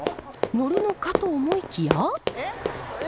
乗るのかと思いきや。